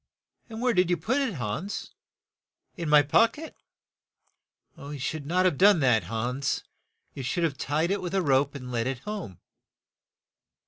"And where did you put it Hans ?"" In my pock et. " "You should not have done that, Hans ; you should have tied it with a rope and led it home."